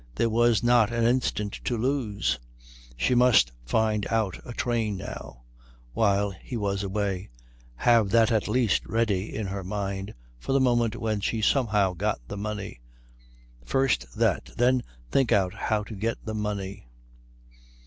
There was not an instant to lose she must find out a train now, while he was away, have that at least ready in her mind for the moment when she somehow had got the money. First that; then think out how to get the money.